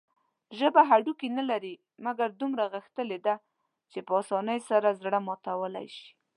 ژبه هډوکي نلري، مګر دومره غښتلي ده چې په اسانۍ سره زړه ماتولى شي.